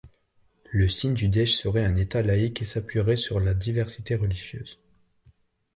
Le Sindhudesh serait un État laïc et s’appuierait sur la diversité religieuse.